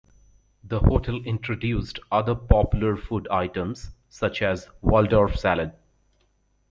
The hotel introduced other popular food items, such as Waldorf Salad.